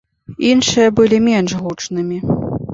Іншыя былі менш гучнымі.